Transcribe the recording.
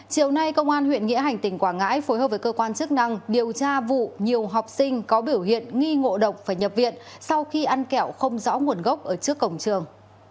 chiều nay công an huyện nghĩa hành tỉnh quảng ngãi phối hợp với cơ quan chức năng điều tra vụ nhiều học sinh có biểu hiện nghi ngộ độc phải nhập viện sau khi ăn kẹo không rõ nguồn gốc ở trước cổng trường